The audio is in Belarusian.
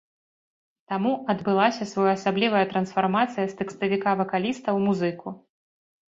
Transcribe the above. Таму адбылася своеасаблівая трансфармацыя з тэкставіка-вакаліста ў музыку.